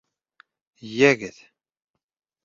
Йәгеҙ!